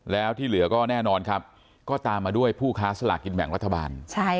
แล้วที่เหลือก็แน่นอนครับก็ตามมาด้วยผู้ค้าสลากกินแบ่งรัฐบาล